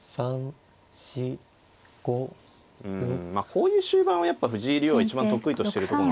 こういう終盤はやっぱ藤井竜王が一番得意としてるとこなんで。